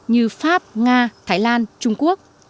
như pháp nga thái lan trung quốc